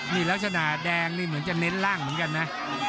นี่ลักษณะแดงนี่เหมือนจะเน้นล่างเหมือนกันนะ